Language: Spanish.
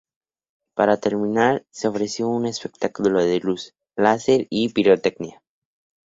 Para terminar, se ofreció un espectáculo de luz, láser y pirotecnia.